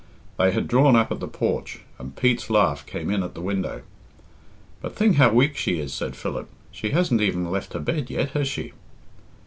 They had drawn up at the porch, and Pete's laugh came in at the window. "But think how weak she is," said Philip. "She hasn't even left her bed yet, has she?"